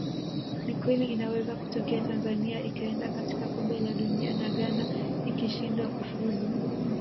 Ni kweli inaweza kutokea Tanzania ikaenda katika Kombe la Dunia na Ghana ikishindwa kufuzu